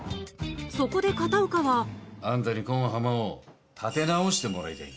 そこで片岡はあんたにこん浜を立て直してもらいたいんよ。